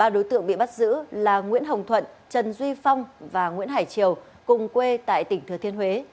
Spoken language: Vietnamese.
ba đối tượng bị bắt giữ là nguyễn hồng thuận trần duy phong và nguyễn hải triều cùng quê tại tỉnh thừa thiên huế